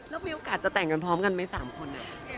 แล้วมีโอกาสจะแต่งกันพร้อมกันไหม๓คน